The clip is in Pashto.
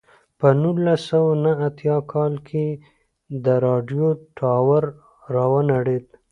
په نولس سوه نهه اتیا کال کې د راډیو ټاور را ونړېد.